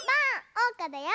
おうかだよ！